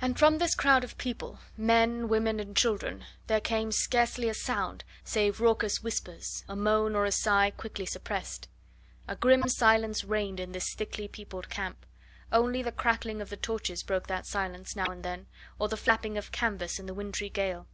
And from this crowd of people men, women, and children there came scarcely a sound, save raucous whispers, a moan or a sigh quickly suppressed. A grim silence reigned in this thickly peopled camp; only the crackling of the torches broke that silence now and then, or the flapping of canvas in the wintry gale.